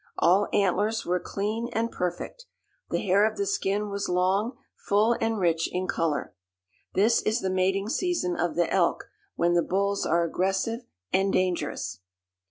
All antlers were clean and perfect. The hair of the skin was long, full and rich in color. This is the mating season of the elk when the bulls are aggressive and dangerous.